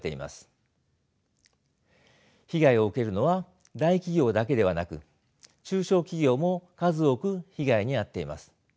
被害を受けるのは大企業だけではなく中小企業も数多く被害に遭っています。